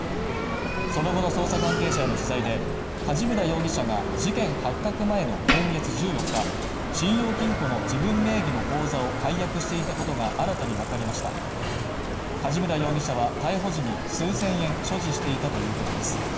その後の捜査関係者への取材で梶村容疑者が事件発覚前の今月１４日信用金庫の自分名義の口座を解約していたことが新たに分かりました梶原容疑者は逮捕時に数千円所持していたということです